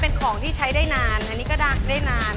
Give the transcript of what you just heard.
เป็นของที่ใช้ได้นานอันนี้ก็ได้นาน